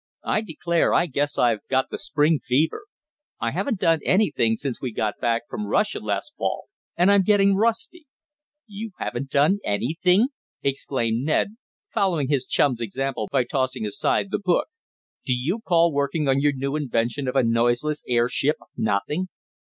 I declare, I guess I've got the spring fever. I haven't done anything since we got back from Russia last fall, and I'm getting rusty." "You haven't done ANYTHING!" exclaimed Ned, following his chum's example by tossing aside the book. "Do you call working on your new invention of a noiseless airship nothing?"